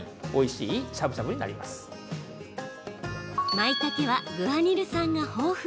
まいたけはグアニル酸が豊富。